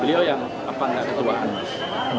beliau yang apa enggak ketuaan mas